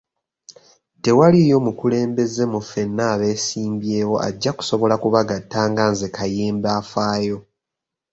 Tewaliiyo mukulembeze mu ffenna abeesimbyewo ajja kusobola ku bagatta nga nze Kayemba afaayo.